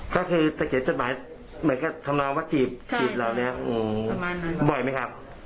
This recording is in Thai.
ก็คือเก็บจดหมายหมายความรู้ว่าจีบเหล่านี้บ่อยมั้ยครับ